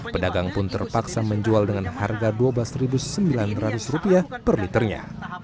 pedagang pun terpaksa menjual dengan harga rp dua belas sembilan ratus per liternya